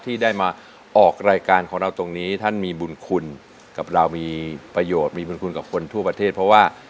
ที่ได้มาออกรายการของเราตรงนี้ท่านมีบุญคุณกับเรามีประโยชน์มีบุญคุณกับคนทั่วประเทศเพราะว่า